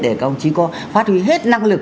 để các ông chí có phát huy hết năng lực